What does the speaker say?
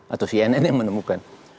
atau cnn yang menemukan